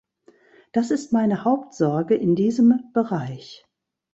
Das ist meine Hauptsorge in diesem Bereich.